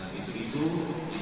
kami tidak kebuka